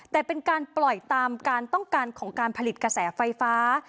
แต่เป็นการปล่อยตามการต้องการของการผลิตกระแสไฟฟ้า